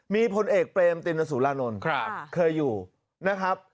มีพลเอกเปรมตินสุรานนท์เคยอยู่นะครับ